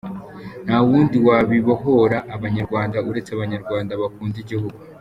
Nta wundi wabibohora, Abanyarwanda, uretse Abanyarwanda bakunda igihugu.